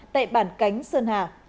tại bản cánh sơn hà